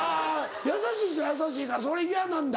優しい人は優しいからそれ嫌なんだ。